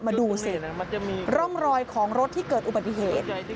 มาดูสิร่องรอยของรถที่เกิดอุบัติเหตุ